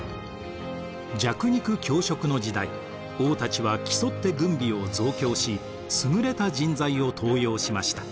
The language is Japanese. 弱肉強食の時代王たちは競って軍備を増強し優れた人材を登用しました。